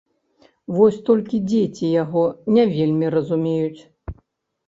Вось толькі дзеці яго не вельмі разумеюць.